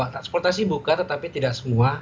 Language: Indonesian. transportasi buka tetapi tidak semua